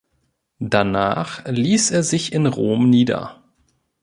Danach ließ er sich in Rom nieder.